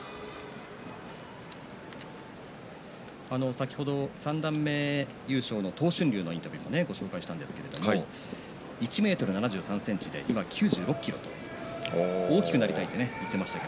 先ほど、三段目優勝の東俊隆を紹介したんですが１ｍ７３ｃｍ、今９６ｋｇ大きくなりたいと言ってました。